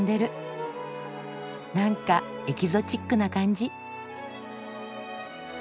なんかエキゾチックな感じ。